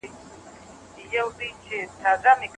غرمه وروسته له سهاره څخه راځي.